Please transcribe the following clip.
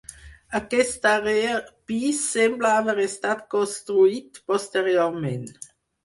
Aquest darrer pis sembla haver estat construït posteriorment.